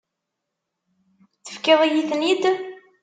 Tefkiḍ-iyi-ten-id.